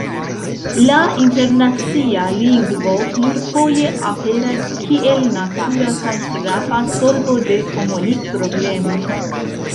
La internacia lingvo plurfoje aperas kiel natura kaj trafa solvo de komunik-problemoj.